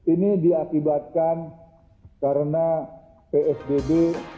ini diakibatkan karena psbb